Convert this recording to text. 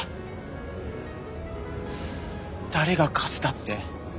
誰がカスだって？